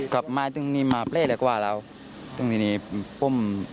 และเป็นก็ที่ให้เชิดสัตว์การสิ่งนี้ในที่สุดใจ